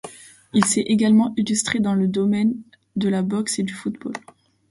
Il s'est également illustré dans le domaine de la boxe et du football.